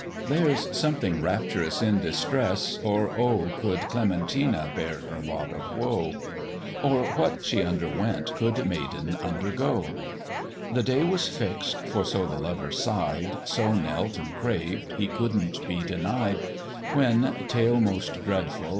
There's something rapturous in distress, or oh! Could Clementina bear her lot of woe? Or what she underwent could maiden undergoe? The day was fix'd; for so the lover sigh'd, So knelt and craved, he couldn't be denied; When, tale most dreadful!